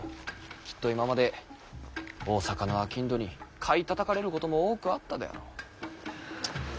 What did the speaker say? きっと今まで大坂のあきんどに買いたたかれることも多くあったであろう。